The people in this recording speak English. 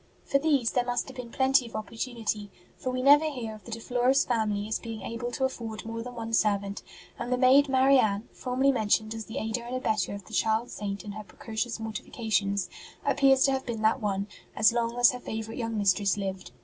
For these there must have been plenty of opportunity, for we never hear of the De Flores family as being able to afford more than one servant ; and the maid Marianne, formerly mentioned as the aider and abettor of the child Saint in her precocious mortifications, appears to have been that one, as long as her favourite young mistress lived.